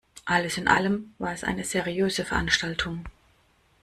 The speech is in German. Alles in allem war es eine seriöse Veranstaltung.